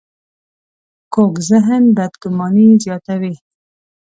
کوږ ذهن بدګماني زیاتوي